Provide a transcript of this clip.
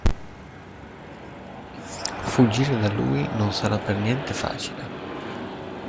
Fuggire da lui non sarà per niente facile...